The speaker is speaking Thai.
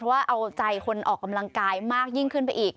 ว่าเอาใจคนออกกำลังกายมากยิ่งขึ้นไปอีก